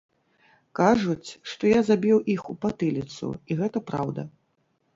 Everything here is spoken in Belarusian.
Кажуць, што я забіў іх у патыліцу, і гэта праўда.